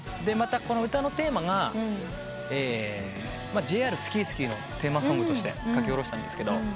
またこの歌のテーマがＪＲＳＫＩＳＫＩのテーマソングとして書き下ろしたんですけど。